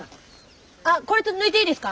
あこれって抜いていいですか？